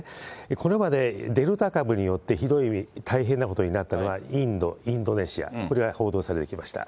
これまでデルタ株によって、ひどい大変なことになったのはインド、インドネシア、これは報道されてきました。